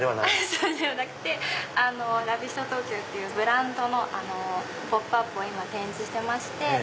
そうではなくてＬＯＶＳＴＴＯＫＹＯっていうブランドのポップアップを展示してまして。